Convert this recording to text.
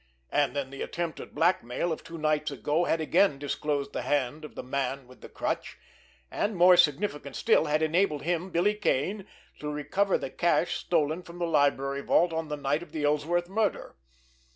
And then the attempt at blackmail of two nights ago had again disclosed the hand of the Man With The Crutch, and, more significant still, had enabled him, Billy Kane, to recover the cash stolen from the library vault on the night of the Ellsworth murder.